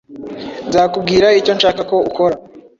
Nzakubwira icyo nshaka ko ukora.